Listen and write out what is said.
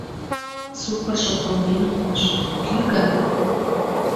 Сукыржо кылмен улмаш, кӱ гаяк.